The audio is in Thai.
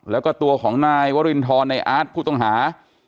แล้วก็ตัวของนายวรินทรในอาร์ตผู้ต้องหา